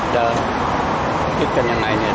จะคิดกันยังไงเนี่ย